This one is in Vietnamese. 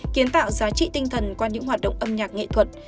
kiến tạo giá trị tinh thần qua những hoạt động âm nhạc nghệ thuật